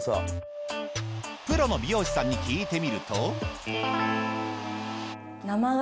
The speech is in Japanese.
プロの美容師さんに聞いてみると。